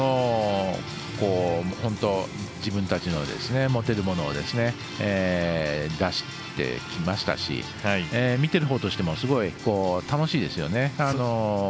本当、自分たちの持てるものを出してきましたし見てるほうとしてもすごい楽しいですよね。